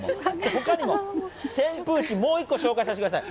ほかにも扇風機、もう一個紹介させてください。